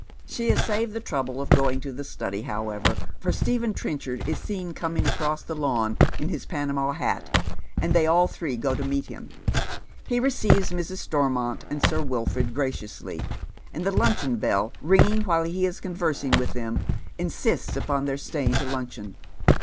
She is saved the trouble of going to the study, however, for Stephen Trenchard is seen coming across the lawn in his Panama bat, and they all three go to meet him. He receives Mrs. Stor riront and Sir Wilford graciously, and, the luncheon bell ringing while he is conversing with them, insists upon their staying to luncheon.